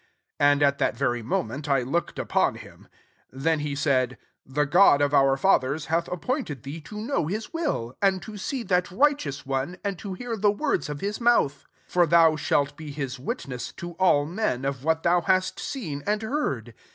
And, at that very moment, I looked upon him. 14 Then he said, « The God of our fathers hath appointed thee to know his will, and to see that Righteous' One, and to hear the words of his mouth; 15 for thou shalt be his witness to all men, of what thou hast seen and heard.